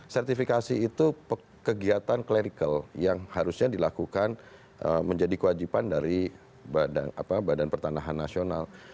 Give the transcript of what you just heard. sertifikasi itu kegiatan clerical yang harusnya dilakukan menjadi kewajiban dari badan pertanahan nasional